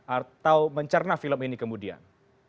atau mencerna film ini kemudian